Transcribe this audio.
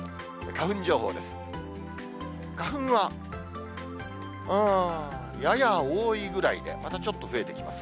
花粉は、うーん、やや多いぐらいで、またちょっと増えてきます。